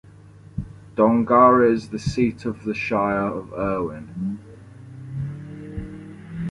Dongara is the seat of the Shire of Irwin.